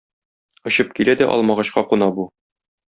Очып килә дә алмагачка куна бу.